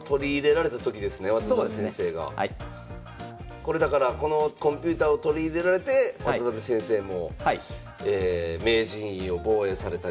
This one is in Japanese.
これだからこのコンピューターを取り入れられて渡辺先生も名人位を防衛されたり。